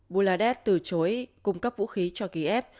buladet từ chối cung cấp vũ khí cho kiev